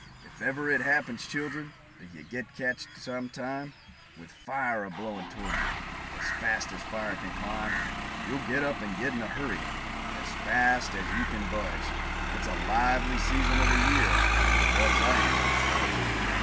If ever it happens, children, that you get catched, some time, With fire a blowin' toward you, as fast as fire can climb, You'll get up and get in a hurry, as fast as you can budge; It's a lively season of the year, or else I ain't no judge!